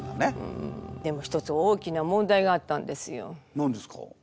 何ですか？